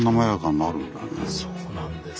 そうなんです。